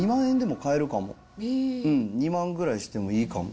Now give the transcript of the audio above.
うん２万ぐらいしてもいいかも。